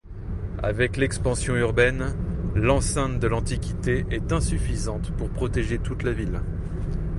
Avec l'expansion urbaine, l'enceinte de l'Antiquité est insuffisante pour protéger toute la ville.